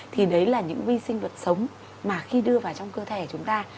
thì đấy là những vi sinh vật sống mà khi đưa vào trong cơ thể chúng ta